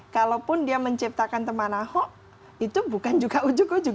kalaupun dia menciptakan teman ahok itu bukan juga ujuk ujuk